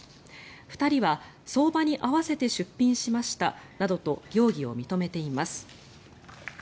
２人は相場に合わせて出品しましたなどと容疑を認めています。